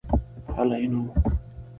هلئ نو.